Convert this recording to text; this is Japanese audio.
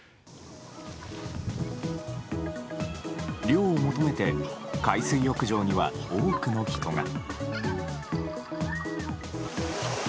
涼を求めて海水浴場には多くの人が。